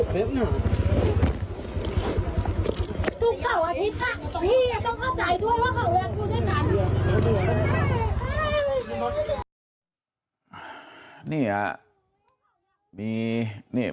พี่จะต้องเข้าใจด้วย